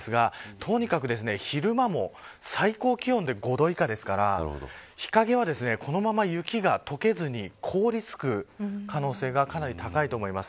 とにかく昼間も最高気温で５度以下ですから日陰は、このまま雪が解けずに凍りつく可能性がかなり高いと思います。